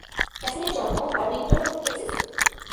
ক্যাসেলের জন্ম, ভারমন্টের এসেক্সে।